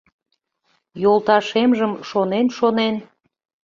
Йолташемжым шонен-шонен